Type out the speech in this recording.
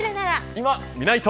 今、みないと。